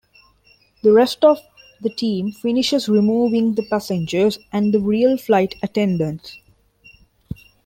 The rest of the team finishes removing the passengers and the real flight attendants.